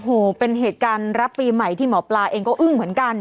โอ้โหเป็นเหตุการณ์รับปีใหม่ที่หมอปลาเองก็อึ้งเหมือนกัน